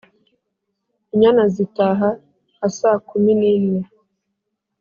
inyana zitaha (nka saa kumi n’imwe)